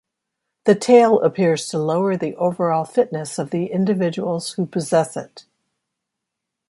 The tail appears to lower the overall fitness of the individuals who possess it.